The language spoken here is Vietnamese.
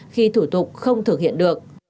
khi thủ tục không thực hiện được